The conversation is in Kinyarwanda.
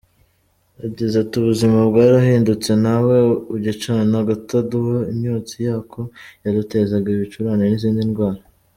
Yagize ati“Ubuzima bwarahindutse, ntawe ugicana agatadowa, imyotsi yako yadutezaga ibicurane n’izindi ndwara.